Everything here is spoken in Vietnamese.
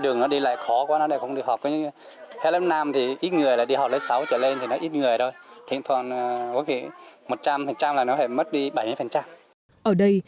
ở đây tình trạng khó khăn như thế này